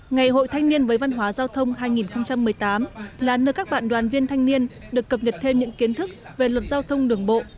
ngày hội thanh niên với văn hóa giao thông hai nghìn một mươi tám là nơi các bạn đoàn viên thanh niên được cập nhật thêm những kiến thức về luật giao thông đường bộ